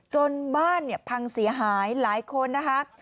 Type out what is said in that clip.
จนบ้านเนี่ยพังเสียหายหลายคนนะคะ